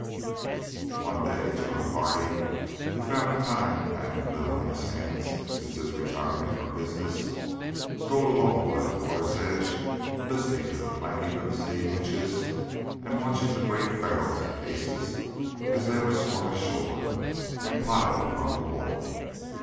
One day John Hardy, who found time hang a little on his hands since his retirement from business, strolled along by the water's edge listening to the clanking of the steam winches, and watching the great barrels and cases as they were swung ashore and piled upon the wharf.